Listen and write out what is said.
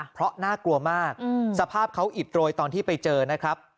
เพราะน่ากลัวมากสภาพเขาอิดโรยตอนที่ไปเจอนะครับ